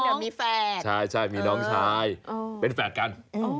แต่บ้างคุณเนี่ยมีแฝดใช่มีน้องชายเป็นแฝดกัน